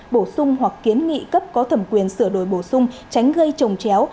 bổ sung hoặc kiến nghị cấp có thẩm quyền sửa đổi bổ sung tránh gây trồng chéo